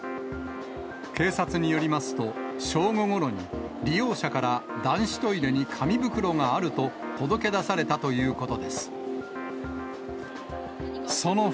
警察によりますと、正午ごろに、利用者から、男子トイレに紙袋があると届け出されたということです。